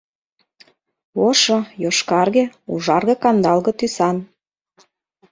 Ошо, йошкарге, ужарге-кандалге тӱсан.